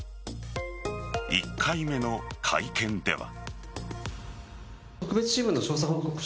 １回目の会見では。